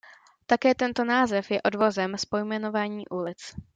Také tento název je odvozen z pojmenování ulic.